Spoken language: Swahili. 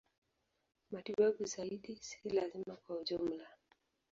Matibabu zaidi si lazima kwa ujumla.